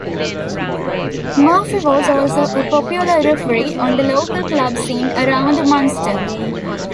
Murphy was also a popular referee on the local club scene around Munster.